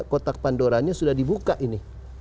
kotak pandoranya sudah dibuka ini